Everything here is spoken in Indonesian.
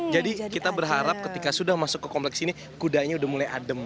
jadi kita berharap ketika sudah masuk ke kompleks ini kudanya udah mulai adem